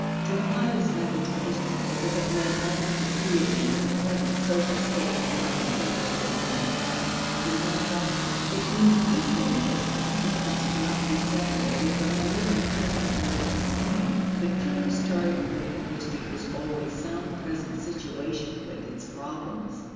To apply this method to history as if it meant only the truism that the present social state cannot be separated from its past, is one sided. It means equally that past events cannot be separated from the living present and retain meaning. The true starting point of history is always some present situation with its problems.